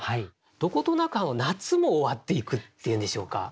どことなく夏も終わっていくっていうんでしょうか。